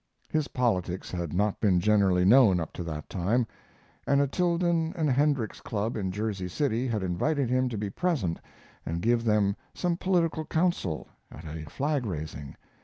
His politics had not been generally known up to that time, and a Tilden and Hendricks club in Jersey City had invited him to be present and give them some political counsel, at a flag raising.